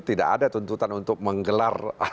tidak ada tuntutan untuk menggelar